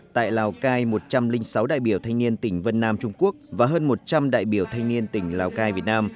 tại lào cai một trăm linh sáu đại biểu thanh niên tỉnh vân nam trung quốc và hơn một trăm linh đại biểu thanh niên tỉnh lào cai việt nam